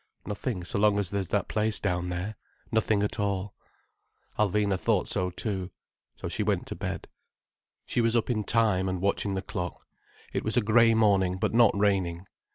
"Nothing so long as there's that place down there. Nothing at all." Alvina thought so too. So she went to bed. She was up in time, and watching the clock. It was a grey morning, but not raining.